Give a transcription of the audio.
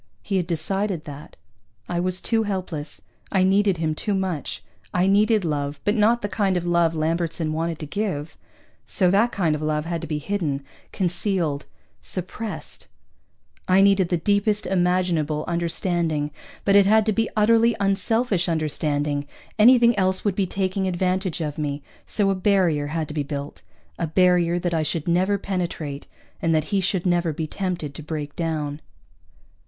He had decided that. I was too helpless. I needed him too much. I needed love, but not the kind of love Lambertson wanted to give, so that kind of love had to be hidden, concealed, suppressed. I needed the deepest imaginable understanding, but it had to be utterly unselfish understanding, anything else would be taking advantage of me, so a barrier had to be built a barrier that I should never penetrate and that he should never be tempted to break down.